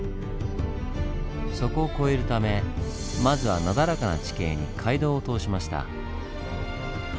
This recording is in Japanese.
そこを越えるためまずはなだらかな地形に街道を通しました。